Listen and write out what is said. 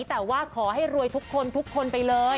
แต่ว่าขอให้รวยทุกคนทุกคนไปเลย